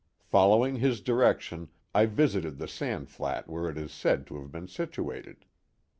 Following his direction I visited the sand flat where it is said to have been situated.